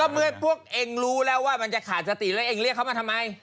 เมื่อพวกเองรู้แล้วว่ามันจะขาดสติแล้วเองเรียกเขามาทำไม